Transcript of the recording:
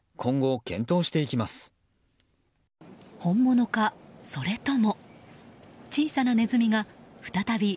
本物か、それとも。